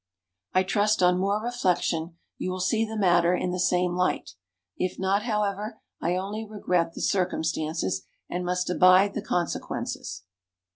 I trust on more reflection you will see the matter in the same light. If not, however, I only regret the circumstances, and must abide the consequences."